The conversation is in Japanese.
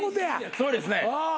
そうですね。